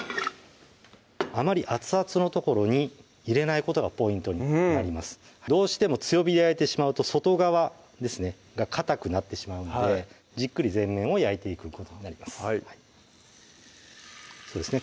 あまり熱々のところに入れないことがポイントになりますどうしても強火で焼いてしまうと外側ですねがかたくなってしまうんでじっくり全面を焼いていくことになりますそうですね